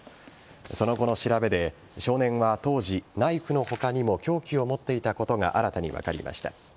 その後の調べで、少年は当時ナイフの他にも凶器を持っていたことが新たに分かりました。